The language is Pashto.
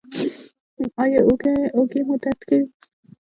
ایا اوږې مو درد کوي؟